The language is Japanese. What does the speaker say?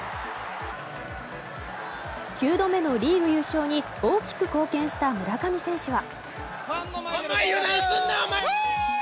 ９度目のリーグ優勝に大きく貢献した村上選手は。